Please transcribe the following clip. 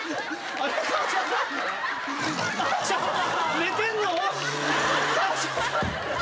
寝てんの？